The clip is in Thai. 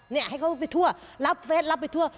เนี่ยให้เขาไปทั่วรับเฟสรับไปทั่ว